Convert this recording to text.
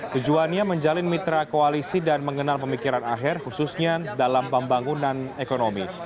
tujuannya menjalin mitra koalisi dan mengenal pemikiran aher khususnya dalam pembangunan ekonomi